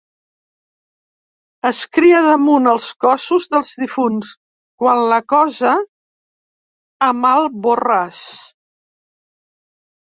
Es cria damunt els cossos dels difunts quan la cosa a mal borràs.